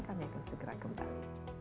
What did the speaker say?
kami akan segera kembali